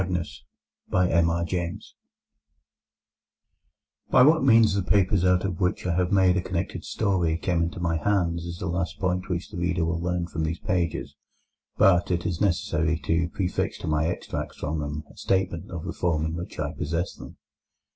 COUNT MAGNUS By what means the papers out of which I have made a connected story came into my hands is the last point which the reader will learn from these pages. But it is necessary to prefix to my extracts from them a statement of the form in which I possess them.